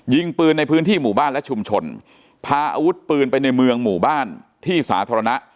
ยิงปืนในพื้นที่หมู่บ้านและชุมชนพาอาวุธปืนไปในเมืองหมู่บ้านที่สาธารณะ